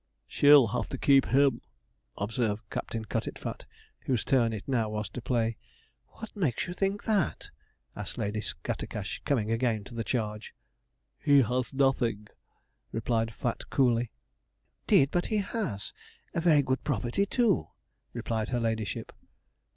'She'll have to keep him,' observed Captain Cutitfat, whose turn it now was to play. 'What makes you think that?' asked Lady Scattercash, coming again to the charge. 'He has nothing,' replied Fat coolly. ''Deed, but he has a very good property, too,' replied her ladyship.